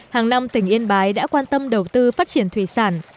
hàng năm tỉnh yên bái đã quan tâm đầu tư phát triển thủy sản